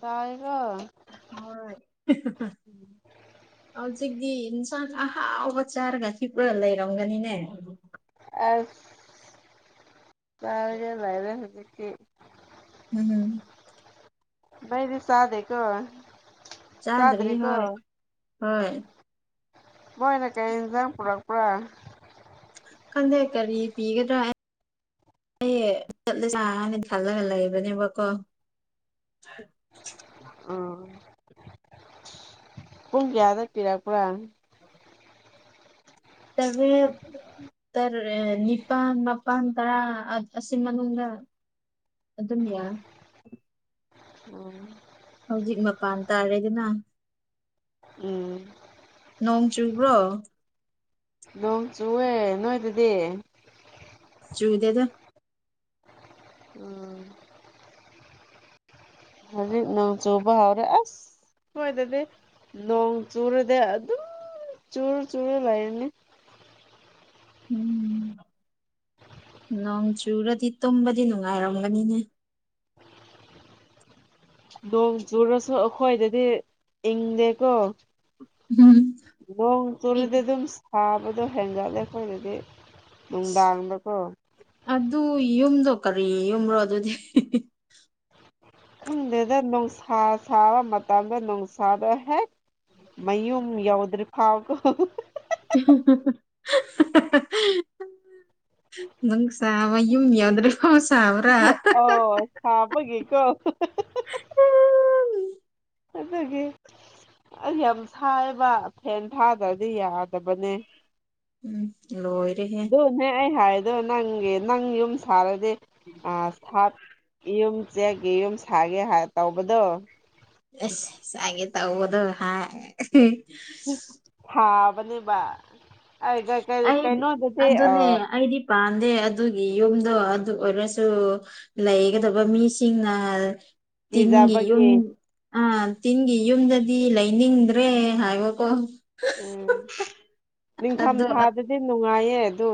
ꯇꯥꯏꯀꯣ ꯍꯣꯏ꯫ ꯍꯧꯖꯤꯛꯇꯤ ꯏꯟꯁꯥꯡ ꯑꯍꯥꯎꯕ ꯆꯥꯔꯒ ꯍꯤꯞꯄ ꯂꯩꯔꯝꯒꯅꯤꯅꯦ꯫ ꯑ ꯇꯔꯒ ꯂꯩꯔꯦ ꯍꯧꯖꯤꯛꯇꯤ꯫ ꯎꯝꯝ꯫ ꯑꯩꯗꯤ ꯁꯥꯗꯦ ꯀꯣ ꯆꯥꯗꯔꯤ ꯍꯣꯏ ꯍꯣꯏ꯫ ꯃꯣꯏꯅꯥ ꯀꯔꯤ ꯑꯦꯟꯖꯥꯡ ꯄꯨꯔꯛ ꯄꯔꯥ꯫ ꯈꯟꯗꯦ ꯀꯔꯤ ꯄꯤꯒꯗ꯭ꯔꯥ꯫ ꯑꯩ ꯆꯠꯂꯦ ꯆꯥꯅꯤ ꯈꯜꯂꯒ ꯂꯩꯕꯅꯦꯕꯀꯣ꯫ ꯑꯥ꯫ ꯄꯨꯡ ꯀꯌꯥꯗ ꯄꯤꯔꯛꯄ꯭ꯔꯥ꯫ [unintelligible] ꯇ ꯅꯤꯄꯥꯟ ꯃꯄꯥꯟ ꯇꯔꯥ ꯑꯁꯤ ꯃꯅꯨꯡꯗ꯫ ꯑꯗꯨꯝ ꯌꯥ꯫ ꯎꯝ꯫ ꯍꯧꯖꯤꯛ ꯃꯄꯥꯟ ꯇꯥꯔꯦꯗꯅ꯫ ꯎꯝ꯫ ꯅꯣꯡ ꯆꯨꯕ꯭ꯔꯣ꯫ ꯅꯣꯡ ꯆꯨꯑꯦ ꯅꯣꯏꯗꯗꯤ꯫ ꯆꯨꯝꯗꯦꯗꯥ ꯎꯝ ꯍꯧꯖꯤꯛ ꯅꯣꯡ ꯆꯨꯕꯥ ꯍꯥꯎꯔ ꯑ ꯍꯣꯏ ꯑꯗꯨꯗꯤ ꯅꯣꯡ ꯆꯨꯔꯗꯤ ꯑꯗꯨꯝ ꯆꯨꯔ ꯆꯨꯔ ꯂꯩꯔꯅꯤ꯫ ꯎꯝ ꯅꯣꯡ ꯆꯨꯔꯗꯤ ꯇꯨꯝꯕꯗꯤ ꯅꯨꯡꯉꯥꯏꯔꯝꯒꯅꯤꯅꯦ꯫ ꯅꯣꯡ ꯆꯨꯔꯁꯨ ꯑꯩꯈꯣꯏꯗꯗꯤ ꯏꯪꯗꯦꯀꯣ꯫ ꯎꯝ ꯅꯣꯡ ꯆꯨꯔꯗꯤ ꯑꯗꯨꯝ ꯁꯥꯕꯗꯣ ꯍꯦꯟꯒꯠꯂꯦ ꯑꯩꯈꯣꯏꯗꯗꯤ꯫ ꯑꯁ ꯅꯨꯪꯗꯥꯡꯗꯀꯣ꯫ ꯑꯗꯨ ꯌꯨꯝꯗꯣ ꯀꯔꯤ ꯌꯨꯝꯔꯣ ꯑꯗꯨꯗꯤ꯫ ꯈꯪꯗꯦꯗ ꯅꯨꯡꯁꯥ ꯁꯥꯕ ꯃꯇꯝꯗ ꯅꯨꯡꯁꯥꯗꯣ ꯍꯦꯛ꯫ ꯃꯌꯨꯝ ꯌꯧꯗ꯭ꯔꯤ ꯐꯥꯎꯕꯥ꯫ [unintelligible] ꯅꯪ ꯁꯕ ꯌꯝ ꯌꯥꯎꯗ꯭ꯔꯔꯤ ꯄꯥꯎ ꯁꯥꯎ꯭ꯔꯥ꯫ ꯍꯥꯕꯒꯤꯀꯣ꯫ ꯑꯗꯨꯗꯒꯤ ꯑꯩ ꯌꯥꯝ ꯁꯥꯏꯕ ꯐꯦꯟ ꯊꯥꯗ꯭ꯔꯗꯤ ꯌꯥꯗꯕꯅꯦ꯫ ꯎꯝ ꯂꯣꯏ꯫ ꯑꯗꯨꯅꯦ ꯑꯩ ꯍꯥꯏꯗꯣ ꯅꯪꯒꯤ ꯅꯪ ꯌꯨꯝ ꯁꯥꯔꯗꯤ ꯑꯥ ꯌꯨꯝ ꯆꯦꯛꯒꯦ ꯌꯨꯝ ꯁꯥꯒꯦ ꯇꯧꯕꯗꯣ꯫ ꯑꯁ ꯉꯥꯑꯁꯤꯒꯤ ꯇꯧꯕꯗꯣ ꯍꯥꯏ ꯍꯥꯕꯅꯤꯕꯥ ꯀ ꯀꯩꯅꯣꯗꯗꯤ ꯑꯥ ꯄꯥꯟꯗꯦ ꯑꯗꯨꯒꯤ ꯌꯨꯝꯗꯣ ꯑꯗꯨ ꯑꯣꯏꯔꯁꯨ ꯂꯩꯒꯗꯕ ꯃꯤꯁꯤꯡꯅ ꯇꯤꯟꯒꯤ ꯌꯨꯝ ꯀꯤꯖꯕꯒꯤ ꯑꯥ ꯇꯤꯟꯒꯤ ꯌꯨꯝꯗꯗꯤ ꯂꯩꯅꯤꯡꯗ꯭ꯔꯦ ꯍꯥꯏꯕꯀꯣ꯫ ꯎꯝ ꯅꯤꯡꯊꯝ ꯑꯗꯣ ꯊꯥꯗꯗꯤ ꯅꯨꯡꯉꯥꯏꯌꯦ ꯑꯗꯨ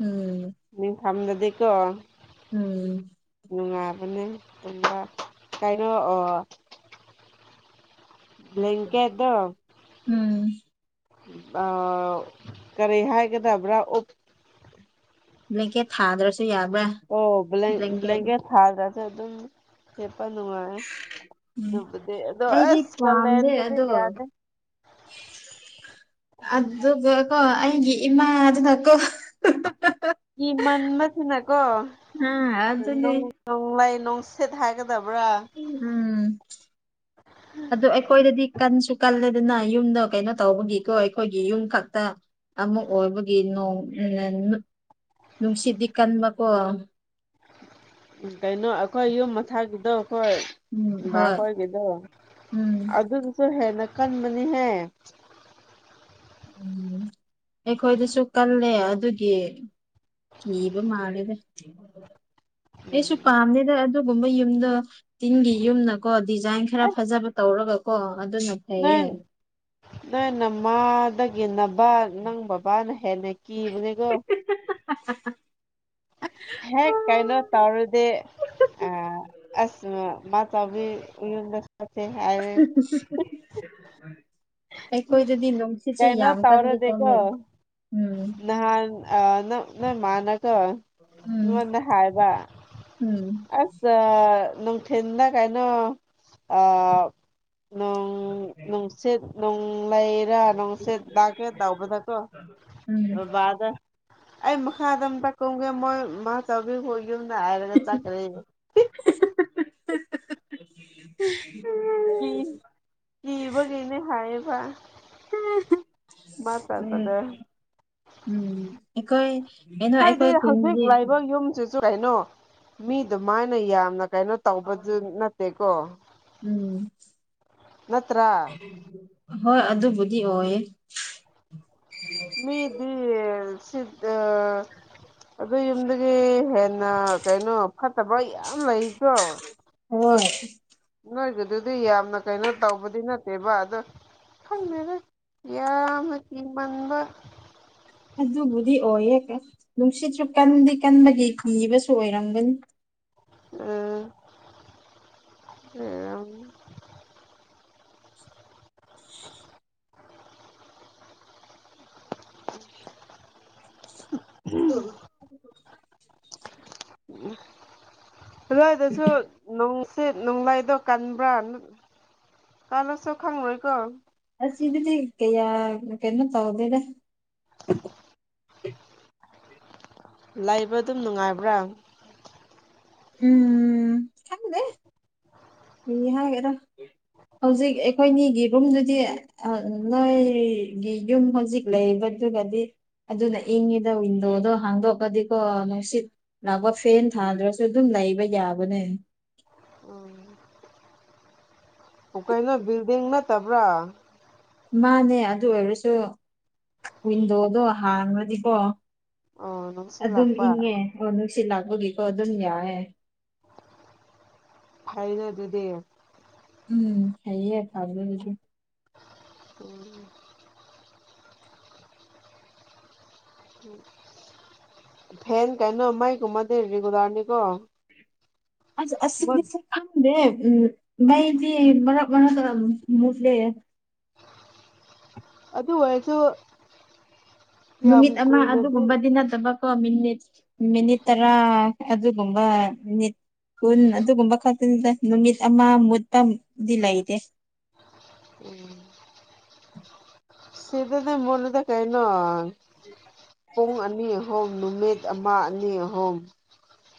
ꯎꯝ꯫ ꯃꯤ ꯐꯝꯗꯗꯤ ꯀꯣ ꯎꯝ ꯅꯨꯡꯉꯕꯅꯦ ꯇꯨꯝꯕ ꯀꯩꯅꯣ ꯑꯣ ꯂꯀꯦ ꯑꯗꯣ ꯎꯝ ꯀꯔꯤ ꯍꯥꯏꯒꯗꯕ꯭ꯔꯥ ꯎꯞ ꯂꯩꯀꯦ ꯊꯥꯗ꯭ꯔꯁꯨ ꯌꯥꯕ꯭ꯔꯥ꯫ ꯑꯣ ꯕ꯭ꯂꯦꯡꯀꯦꯠ ꯊꯥꯗ꯭ꯔꯁꯨ ꯑꯗꯨꯝ ꯍꯤꯞꯄ ꯅꯨꯡꯉꯥꯏ꯫ ꯎꯝ ꯑꯗꯨꯕꯨꯗꯤ ꯑꯗꯣ ꯑꯩꯗꯤ ꯑꯁ ꯄꯥꯝꯗꯦ ꯇꯜꯂꯦꯗꯨꯗꯤ ꯑꯗꯣ ꯌꯥꯅꯦ꯫ ꯑꯗꯨꯒ ꯀꯣ ꯑꯩꯒꯤ ꯏꯃꯥꯗꯨꯅ ꯀꯣ ꯍꯥꯍꯥꯍꯥ [unintelligible] ꯍꯤ ꯃꯟꯕꯁꯤꯅꯀꯣ ꯑ ꯑꯗꯨꯅꯦ ꯅꯣꯡ ꯅꯨꯡꯂꯩ ꯅꯨꯡꯁꯤꯠ ꯍꯥꯏꯒꯗꯕ꯭ꯔꯥ꯫ ꯎꯝ ꯑꯗꯨ ꯑꯩꯈꯣꯏꯗꯗꯤ ꯀꯟꯁꯨ ꯀꯜꯂꯦꯗꯅ ꯌꯨꯝꯗ ꯀꯩꯅꯣ ꯇꯧꯕꯒꯤꯀꯣ ꯑꯩꯈꯣꯏꯒꯤ ꯌꯨꯝ ꯈꯛꯇ꯫ ꯑꯃꯛ ꯑꯣꯏꯕꯒꯤ ꯅꯣꯡ ꯅꯨꯡꯁꯤꯗꯤ ꯀꯟꯕꯀꯣ꯫ ꯀꯩꯅꯣ ꯑꯩꯈꯣꯏ ꯌꯨꯝ ꯃꯊꯛꯒꯤꯗꯣ ꯑꯩꯈꯣꯏ ꯎꯝ ꯚꯞ ꯍꯣꯏ ꯑꯣꯏꯒꯤꯗꯣ ꯎꯝ ꯑꯗꯨꯗꯨꯁꯨ ꯍꯦꯟꯅ ꯀꯟꯕꯅꯤꯍꯦ꯫ ꯎꯝ ꯑꯩꯈꯣꯏꯗꯁꯨ ꯀꯜꯂꯦ ꯑꯗꯨꯒꯤ ꯀꯤꯕ ꯃꯥꯜꯂꯦꯗ ꯑꯩꯁꯨ ꯄꯥꯝꯗꯦꯗ ꯑꯗꯨꯒꯨꯝꯕ ꯌꯨꯝꯗ꯫ ꯇꯤꯟꯒꯤ ꯌꯨꯝꯅꯀꯣ ꯗꯤꯖꯥꯏꯟ ꯈꯔ ꯐꯖꯕ ꯇꯧꯔꯒꯀꯣ ꯑꯗꯨꯅ ꯅꯣꯏ ꯐꯩꯌꯦ ꯅꯣꯏ ꯅꯃꯗꯒꯤꯅꯕ ꯅꯪ ꯕꯕꯥꯅ ꯍꯦꯟꯂꯤ ꯀꯤꯕꯅꯤꯀꯣ꯫ ꯍꯦ ꯍꯦ ꯍꯥꯍꯥ ꯍꯦꯛ ꯀꯥꯏꯅꯣ ꯇꯔꯗꯤ ꯑ ꯑꯁ ꯃꯥꯆꯧꯕꯤ ꯌꯨꯝꯗ ꯐꯁꯦ ꯍꯥꯏ [unintelligible] ꯑꯩꯈꯣꯏꯗꯗꯤ ꯅꯨꯡꯁꯤꯠꯁꯨ ꯀꯩꯅꯣ ꯌꯥꯝ ꯀꯟꯗꯤ ꯀꯟꯂꯦ ꯇꯧꯔꯗꯤꯀꯣ ꯅꯍꯥꯟ ꯑ ꯅꯣꯏꯃꯥꯅꯀꯥ ꯎꯝ ꯇꯉꯅ ꯍꯥꯏꯕ ꯎꯝ ꯑꯁ ꯅꯨꯡꯊꯤꯟꯅ ꯀꯥꯏꯅꯣ ꯑ ꯅꯨꯡꯁꯤ ꯅꯅꯨꯡ ꯂꯩꯥ ꯅꯪꯁꯤꯠ ꯂꯛꯀꯦ ꯇꯧꯕꯗꯀꯣ ꯎꯝ ꯕꯥꯕꯗꯥ ꯑꯩ ꯃꯈꯥꯗ ꯑꯝꯇ ꯀꯨꯝꯒꯦ ꯃꯣꯏ ꯃꯥ ꯆꯥꯎꯕꯤ ꯌꯨꯝꯗ ꯍꯥꯏꯔꯒ ꯆꯠꯈ꯭ꯔꯦ ꯀꯤꯕꯒꯦꯅꯦ ꯍꯥꯏꯕ ꯎꯝ ꯃꯇꯥꯛꯀꯗ ꯎꯝ ꯑꯩꯈꯣꯏ ꯀꯩꯅꯣ ꯑꯩꯈꯣꯏ ꯈꯨꯟꯗꯤ ꯁꯨ ꯀꯩꯅꯣ ꯃꯤꯗꯨꯃꯥꯏꯅ ꯌꯥꯝꯅ ꯀꯩꯅꯣ ꯇꯧꯕꯗꯨ ꯅꯠꯇꯦꯀꯣ ꯎꯝ ꯅꯠꯇ꯭ꯔꯥ ꯍꯣꯏ ꯑꯗꯨꯕꯨꯗꯤ ꯑꯣꯏꯌꯦ ꯃꯤꯗꯤ ꯁꯤ ꯑꯗꯨ ꯌꯨꯝꯗꯒꯤ ꯍꯦꯟꯅ ꯀꯩꯅꯣ ꯐꯠꯇꯕ ꯌꯥꯝ ꯂꯩꯁꯨ ꯍꯣꯏ ꯅꯣꯏꯒꯤꯗꯨꯗꯤ ꯌꯥꯝꯅ ꯀꯩꯅꯣ ꯇꯧꯕꯗꯤ ꯅꯠꯇꯦꯕ ꯑꯗꯣ ꯈꯪꯗꯦ ꯌꯥꯝꯅ ꯀꯤꯃꯟꯕ ꯑꯗꯨꯕꯨꯗꯤ ꯑꯣꯏꯍꯦ ꯅꯨꯡꯁꯤꯠꯁꯨ ꯀꯟꯗꯤ ꯀꯟꯕꯒꯤ ꯀꯤꯕꯁꯨ ꯑꯣꯏꯔꯝꯒꯅꯤ ꯎꯝ ꯎꯝ ꯎꯝ [unintelligible] ꯑꯗꯨꯏꯗꯁꯨ ꯅꯨꯡꯁꯤꯠ ꯅꯣꯡꯂꯩꯗꯣ ꯀꯟꯕ꯭ꯔꯥ ꯀꯥꯅꯣꯁꯨ ꯈꯪꯉꯣꯏꯀꯣ ꯑꯁꯤꯗꯨꯗꯤ ꯀꯌꯥ ꯀꯩꯅꯣ ꯇꯧꯗꯦꯗ ꯂꯩꯕ ꯑꯗꯨꯝ ꯅꯨꯡꯉꯥꯏꯕ꯭ꯔꯥ ꯎꯝ ꯈꯪꯗꯦ ꯀꯔꯤꯍꯥꯏꯒꯦꯔ ꯍꯧꯖꯤꯛ ꯑꯩꯈꯣꯏꯅꯤꯒꯤ ꯔꯨꯝꯗꯨꯗꯤ ꯅꯣꯏꯒꯤ ꯌꯨꯝ ꯍꯧꯖꯤꯛ ꯂꯩꯕꯗꯨꯒꯗꯤ ꯑꯗꯨꯅ ꯏꯪꯉꯤꯗ ꯋꯤꯟꯗꯣꯗꯣ ꯍꯥꯡꯗꯣꯛꯑꯒꯗꯤꯀꯣ ꯅꯨꯁꯤꯠ ꯂꯥꯛꯄ ꯐꯦꯟ ꯊꯥꯗ꯭ꯔꯁꯨ ꯑꯗꯨꯝ ꯂꯩꯕ ꯌꯥꯕꯅꯦ ꯎꯝ ꯑꯣ ꯀꯩꯅꯣ ꯕꯤꯜꯗꯤꯡ ꯅꯠꯇꯕ꯭ꯔꯥ ꯃꯥꯅꯦ ꯑꯗꯨ ꯑꯣꯏꯔꯁꯨ ꯋꯤꯟꯗꯣꯗꯣ ꯍꯥꯡꯂꯗꯤꯀꯣ ꯑꯣ ꯅꯨꯡꯁꯤꯠ ꯑꯗꯨꯝ ꯂꯥꯛꯄ ꯏꯪꯉꯦ ꯑꯣ ꯅꯨꯡꯁꯤꯠ ꯂꯥꯛꯄꯒꯤꯀꯣ ꯑꯗꯨꯝ ꯌꯥꯑꯦ ꯐꯥꯏꯗ ꯑꯗꯨꯗꯤ ꯎꯝ ꯐꯩꯌꯦ ꯐꯕꯥꯕꯨꯗꯤ ꯎ ꯐꯦꯟ ꯀꯩꯅꯣ ꯃꯥꯏꯒꯨꯝꯕꯗꯤ ꯔꯤꯒꯨꯂꯥꯔꯅꯤꯀꯣ ꯑꯁ ꯑꯁ ꯈꯪꯗꯦ ꯎꯝ ꯃꯩꯗꯤ ꯃꯔꯛ ꯃꯔꯛ ꯃꯨꯠꯂꯦ ꯑꯗꯨ ꯑꯣꯏꯁꯨ ꯅꯨꯃꯤꯠ ꯑꯃ ꯑꯗꯨꯒꯨꯝꯕꯗꯤ ꯅꯠꯇꯕ ꯀ ꯃꯤꯅꯤꯠ ꯃꯤꯅꯤꯠ ꯇꯔꯥ ꯑꯗꯨꯒꯨꯝꯕ ꯃꯤꯅꯤꯠ ꯀꯨꯟ ꯑꯗꯨꯒꯨꯝꯕ ꯈꯛꯇꯅꯤꯗ ꯅꯨꯃꯤꯠ ꯑꯃ ꯃꯨꯠꯄꯗꯤ ꯂꯩꯇꯦ ꯎ ꯁꯤꯗꯗꯤ ꯃꯨꯠꯂꯤꯗꯥ ꯀꯩꯅꯣ ꯄꯨꯡ ꯑꯅꯤ ꯑꯍꯨꯝ ꯅꯨꯃꯤꯠ ꯑꯃ ꯑꯅꯤ ꯑꯍꯨꯝ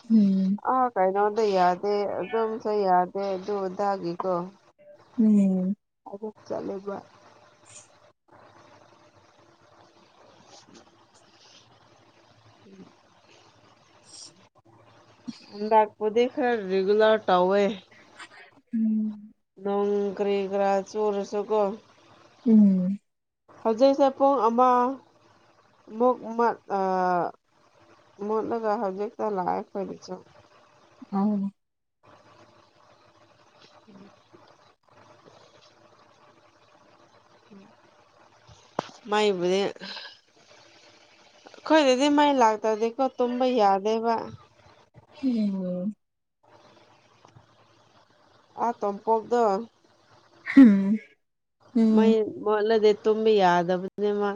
ꯎꯝ ꯑ ꯀꯥꯏꯅꯣꯗ ꯌꯥꯗꯦ ꯑꯗꯨꯝꯁꯨ ꯌꯥꯗꯦ ꯑꯗꯨꯗꯒꯤꯀꯣ ꯎꯝ ꯑꯗꯨ ꯆꯂꯦ ꯚꯏ [inaudible] [inaudible] [inaudible] [unintelligible] ꯂꯥꯛꯄꯗꯤ ꯈꯔꯥ ꯔꯤꯒꯨꯂꯔ ꯇꯧꯋꯦ ꯎꯝ ꯅꯣꯡꯒꯔꯤꯒ꯭ꯔꯥ ꯆꯔꯁꯨꯒꯣ ꯎꯝ ꯍꯧꯖꯤꯛꯁꯦ ꯄꯨꯡ ꯑꯃ ꯃꯨꯛ ꯃꯠ ꯑ ꯃꯨꯠꯂꯒ ꯍꯧꯖꯤꯛꯇ ꯂꯥꯛꯑꯦ ꯑꯩꯈꯣꯢꯒꯤꯁꯨ ꯑ [inaudible] ꯃꯥꯏꯕꯨꯗꯤ ꯑꯩꯈꯣꯏꯗꯗꯤ ꯃꯩ ꯂꯥꯛꯇ꯭ꯔꯗꯤꯀꯣ ꯇꯨꯝꯕ ꯌꯥꯗꯦꯕ ꯎꯝ ꯑ ꯇꯣꯡꯄꯣꯛꯇꯣ ꯍꯨꯝ ꯃꯩ ꯃꯣꯠꯂꯗꯤ ꯇꯨꯝꯕ ꯌꯥꯗꯕꯅꯦ ꯃꯥ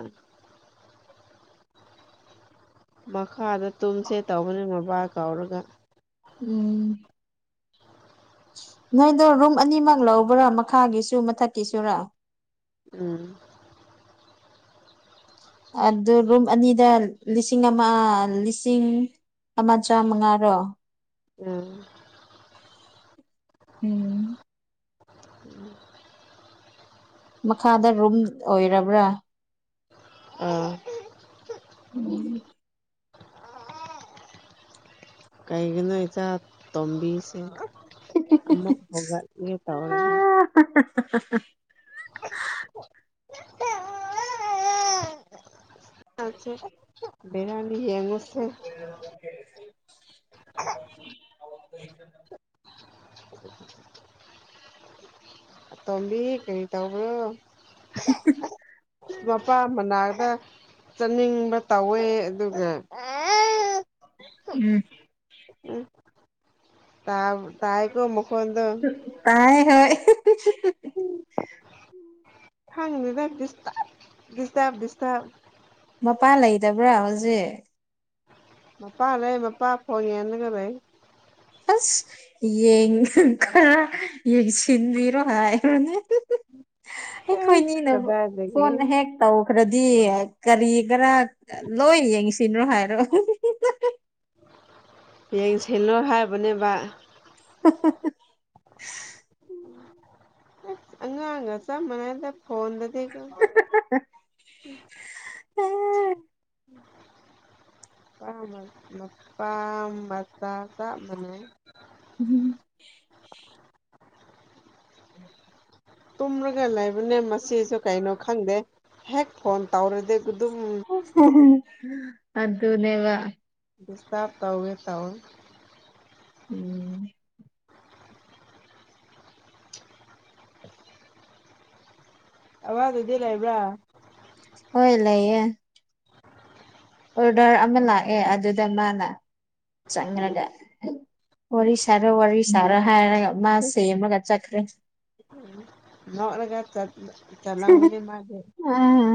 ꯃꯈꯥꯗ ꯇꯨꯝꯁꯦ ꯇꯧꯕꯅꯦ ꯃꯕꯥ ꯀꯧꯔꯒ ꯎꯝ ꯅꯣꯏꯗꯣ ꯔꯨꯝ ꯑꯅꯤꯃꯛ ꯂꯧꯕ꯭ꯔꯥ ꯃꯈꯥꯒꯤꯁꯨ ꯃꯊꯛꯀꯤꯁꯨꯔꯥ ꯎꯝ ꯑꯗꯨ ꯔꯨꯝ ꯑꯅꯤꯗ ꯂꯤꯁꯤꯡ ꯑꯃ ꯂꯤꯁꯤꯡ ꯑꯃ ꯆꯥꯝꯃꯉꯥꯔꯣ ꯎꯝ ꯎꯝ [inaudible] ꯃꯈꯥꯗ ꯔꯨꯝ ꯑꯣꯏꯔꯕ꯭ꯔꯥ ꯑ ꯎꯝ ꯀꯩꯒꯤꯅꯣ ꯏꯆꯥ ꯇꯣꯝꯕꯤꯁꯦ ꯑꯃꯨꯛ ꯍꯧꯒꯠꯒꯦ ꯇꯧꯔꯦ [unintelligible] [unintelligible] ꯕꯦꯔꯅꯤ ꯌꯦꯡꯉꯣꯁꯦ [inaudible] [inaudible] ꯇꯣꯝꯕꯤ ꯀꯔꯤ ꯇꯧꯕ꯭ꯔꯣ [inaudible] ꯃꯄꯥ ꯃꯅꯥꯛꯇ ꯆꯠꯅꯤꯡꯕ ꯇꯧꯋꯦ ꯑꯗꯨꯒ ꯎꯝ ꯇꯥ ꯇꯥꯏꯀꯣ ꯃꯈꯣꯟꯗꯣ ꯇꯥꯏ ꯍꯣꯏ ꯈꯪꯗꯦꯗ ꯗꯤꯁꯇꯞ ꯗꯤꯁꯇꯞ ꯃꯄꯥ ꯂꯩꯗꯕ꯭ꯔꯥ ꯍꯧꯖꯤꯛ ꯃꯄꯥ ꯂꯩ ꯃꯄꯥ ꯐꯣꯟ ꯌꯦꯡꯉꯥꯒ ꯂꯩ ꯑꯁ ꯌꯦꯡꯉ ꯀ ꯌꯦꯡꯁꯤꯟꯕꯤꯔꯣ ꯍꯥꯏꯔꯣꯅꯦ ꯑꯦ ꯑꯩꯈꯣꯏꯅꯤꯅꯕ ꯀꯗꯥꯏꯗꯒꯤ ꯐꯣꯟꯅ ꯍꯦꯛ ꯇꯧꯈ꯭ꯔꯗꯤ ꯀꯔꯤ ꯈꯔ ꯂꯣꯏ ꯌꯦꯡꯁꯤꯂꯣ ꯍꯥꯏꯔꯣ ꯌꯦꯡ ꯁꯤꯜꯂꯣ ꯍꯥꯏꯕꯅꯦꯕ [unintelligible] ꯑꯉꯥꯡ ꯒ ꯆꯥꯞ ꯃꯥꯟꯅꯩꯗ ꯐꯣꯟꯗꯗꯤ ꯑꯗꯨꯝ [inaudible] ꯎꯝ [inaudible] ꯇꯨꯝꯔꯒ ꯂꯩꯕꯅꯦ ꯃꯁꯤꯁꯨ ꯀꯩꯅꯣ ꯈꯪꯗꯦ ꯍꯦꯛ ꯐꯣꯟ ꯇꯧꯔꯗꯤ ꯗꯨꯝ ꯑꯗꯨꯅꯦꯕ ꯁꯇꯥꯥꯞ ꯇꯧꯋꯦ ꯇꯧꯏ ꯎꯝ ꯑꯃꯗꯨꯗꯤ ꯂꯩꯕ꯭ꯔꯥ ꯍꯣꯏ ꯂꯩꯌꯦ ꯑꯣꯔꯗꯔ ꯑꯃ ꯂꯥꯛꯑꯦ ꯑꯗꯨꯗ ꯃꯥꯅ ꯆꯪꯉꯒ ꯋꯥꯔꯤ ꯁꯥꯔꯣ ꯋꯥꯔꯤ ꯁꯥꯔꯣ ꯍꯥꯏꯔꯒ ꯃꯥ ꯁꯦꯝꯃꯒ ꯆꯠꯈ꯭ꯔꯦ ꯅꯣꯛꯂꯒ ꯆ ꯆꯂꯥꯝꯒꯅꯤ ꯃꯥꯗꯤ ꯎꯝ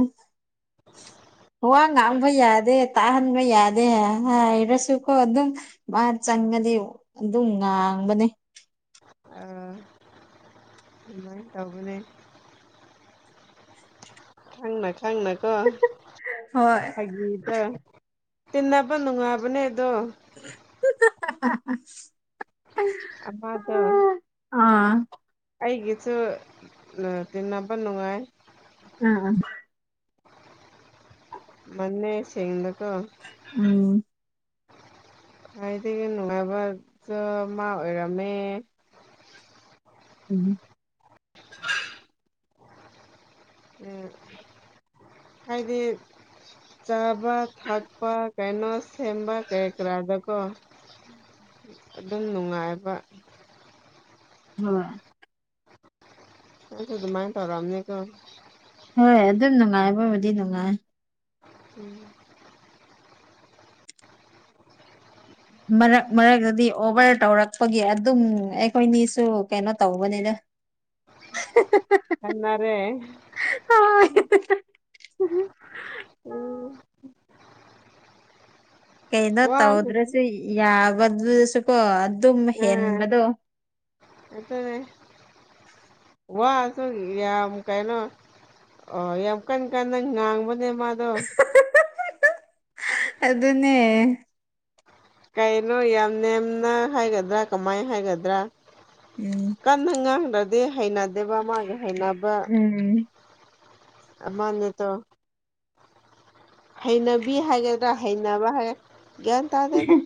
ꯋꯥ ꯉꯥꯡꯕ ꯌꯥꯗꯦ ꯇꯥꯍꯟꯕ ꯌꯥꯗꯦ ꯍꯥꯏꯔꯁꯨꯀꯣ ꯑꯗꯨꯝ ꯃꯥ ꯆꯪꯒꯗꯤ ꯑꯗꯨꯝ ꯉꯥꯡꯕꯅꯦ ꯑ ꯑꯗꯨꯃꯥꯏ ꯇꯧꯒꯅꯤ ꯈꯪꯅ ꯈꯪꯅ ꯀꯣ ꯍꯣꯏ ꯐꯥꯒꯤꯗꯣ ꯇꯤꯟꯅꯕ ꯅꯨꯡꯉꯥꯏꯕꯅꯦ ꯑꯗꯣ [inaudible] ꯑꯃꯗꯣ ꯑꯥ ꯑꯩꯒꯤꯁꯨ ꯑ ꯇꯤꯟꯅꯕ ꯅꯨꯡꯉꯥꯏ ꯑ ꯑ ꯃꯅꯦ ꯁꯤꯡꯗꯀꯣ ꯎꯝ ꯈꯋꯥꯏꯗꯒꯤ ꯅꯨꯡꯉꯥꯏꯕꯗꯣ ꯃꯥ ꯑꯣꯏꯔꯝꯃꯦ [inaudible] ꯎꯝ ꯍꯥꯏꯗꯤ ꯆꯥꯕ ꯊꯛꯄ ꯀꯩꯅꯣ ꯁꯦꯝꯕ ꯀꯔꯤ ꯀꯔꯥꯗꯀꯣ ꯑꯗꯨꯝ ꯅꯨꯡꯉꯥꯏꯕ ꯍꯣꯏ ꯃꯣꯏꯁꯨ ꯑꯗꯨꯃꯥꯏ ꯇꯧꯔꯝꯅꯤꯀꯣ ꯍꯣꯏ ꯑꯗꯨꯝ ꯅꯨꯡꯉꯥꯏꯕꯕꯨꯗꯤ ꯅꯨꯡꯉꯥꯏ ꯎꯝ ꯃꯔꯛ ꯃꯔꯛꯇꯗꯤ ꯑꯣꯚꯔ ꯇꯧꯔꯛꯄꯒꯤ ꯑꯗꯨꯝ ꯑꯩꯈꯣꯏꯅꯤꯁꯨ ꯀꯩꯅꯣ ꯇꯧꯕꯅꯤꯗ [inaudible] [inaudible] ꯈꯠꯅꯔꯦ ꯑꯣ ꯀꯩꯅꯣ ꯇꯧꯗ꯭ꯔꯁꯨ ꯌꯥꯕꯗꯨꯗꯁꯨ ꯀꯣ ꯑꯗꯨꯝ ꯑꯥ ꯍꯦꯟꯕꯗꯣ ꯑꯗꯨꯅꯦ ꯋꯥꯁꯨ ꯌꯥꯝ ꯀꯩꯅꯣ ꯑꯣ ꯌꯥꯝ ꯀꯟ ꯀꯟꯅ ꯉꯥꯡꯕꯅꯦ ꯃꯥꯗꯣ ꯑꯗꯨꯅꯦ ꯀꯩꯅꯣ ꯌꯥꯝ ꯅꯦꯝꯅ ꯍꯥꯏꯒꯗ꯭ꯔꯥ ꯀꯃꯥꯏ ꯍꯥꯏꯒꯗ꯭ꯔꯥ ꯎꯝ ꯀꯟꯅ ꯉꯥꯡꯗ꯭ꯔꯗꯤ ꯍꯩꯅꯗꯦꯕ ꯃꯥꯒꯤ ꯍꯩꯅꯕ ꯎꯝ ꯑꯃ ꯅꯤꯇꯣ ꯍꯩꯅꯕꯤ ꯍꯥꯏꯒꯗ꯭ꯔꯥ ꯍꯩꯅꯕ ꯍꯥꯏ ꯒ꯭ꯌꯥꯟ ꯇꯥꯗꯦꯗ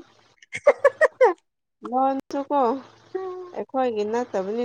ꯂꯣꯟꯁꯨ ꯀꯣ ꯑꯩꯈꯣꯏꯒꯤ ꯅꯠꯇꯕꯅꯤ